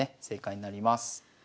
正解になります。